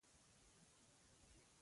چا څه شي ترمیمول او چا څه شي ړنګول.